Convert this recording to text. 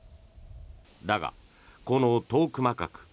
だが、このトークマカク